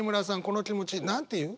この気持ち何て言う？